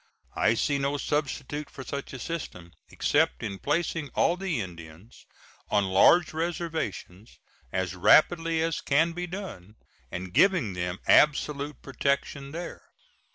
I see no substitute for such a system, except in placing all the Indians on large reservations, as rapidly as it can be done, and giving them absolute protection there.